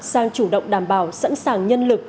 sang chủ động đảm bảo sẵn sàng nhân lực